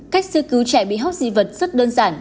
cách sư cứu trẻ bị hốc dị vật rất đơn giản